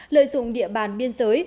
lợi dụng địa bàn biên giới